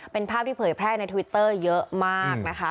เป็นภาพที่เผยแพร่ในทวิตเตอร์เยอะมากนะคะ